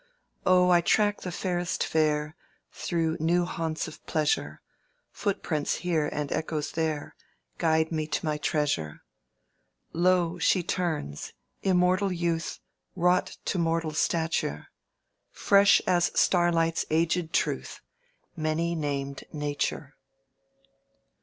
"Oh, I track the fairest fair Through new haunts of pleasure; Footprints here and echoes there Guide me to my treasure: "Lo! she turns—immortal youth Wrought to mortal stature, Fresh as starlight's aged truth— Many namèd Nature!"